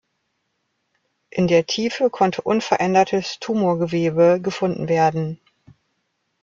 In der Tiefe konnte unverändertes Tumorgewebe gefunden werden.